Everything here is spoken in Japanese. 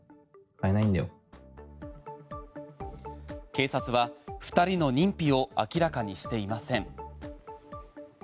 警察は２人の認否を明らかにしていません。